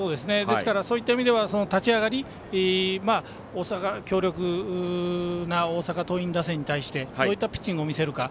そういった意味では立ち上がり強力な大阪桐蔭打線に対してどういったピッチングを見せるか。